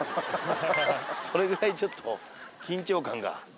それぐらいちょっと緊張感が。